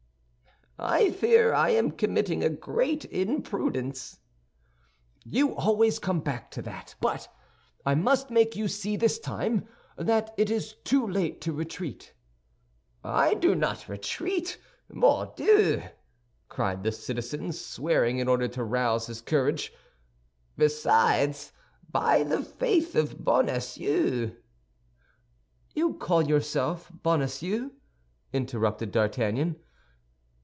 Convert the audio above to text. "I fear I am committing a great imprudence." "You always come back to that; but I must make you see this time that it is too late to retreat." "I do not retreat, mordieu!" cried the citizen, swearing in order to rouse his courage. "Besides, by the faith of Bonacieux—" "You call yourself Bonacieux?" interrupted D'Artagnan.